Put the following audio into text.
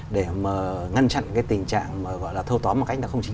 để mà ngăn chặn cái tình trạng mà gọi là thô tóm mà các doanh nghiệp nhà nước trong